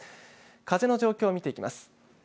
風の状況を見ていきます。